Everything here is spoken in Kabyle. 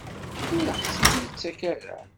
Ur aɣ-tt-id-yettak ara?